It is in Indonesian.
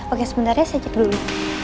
oke sebentar ya saya cip dulu